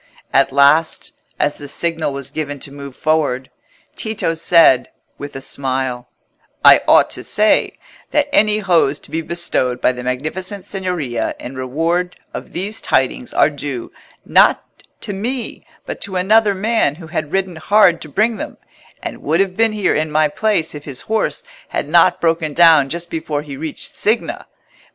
At last, as the signal was given to move forward, Tito said, with a smile— "I ought to say, that any hose to be bestowed by the Magnificent Signoria in reward of these tidings are due, not to me, but to another man who had ridden hard to bring them, and would have been here in my place if his horse had not broken down just before he reached Signa.